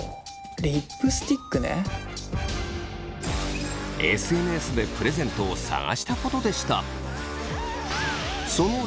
リップスティックねＳＮＳでプレゼントを探したことでした。